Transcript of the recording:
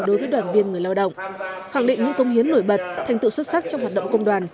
đối với đoàn viên người lao động khẳng định những công hiến nổi bật thành tựu xuất sắc trong hoạt động công đoàn